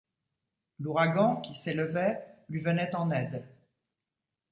L’ouragan, qui s’élevait, lui venait en aide.